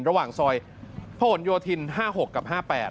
ระหว่างซอยพระหลโยธิน๕๖กับ๕๘